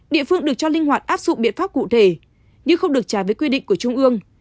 địa phương được cho linh hoạt áp dụng biện pháp cụ thể nhưng không được trả với quy định của trung ương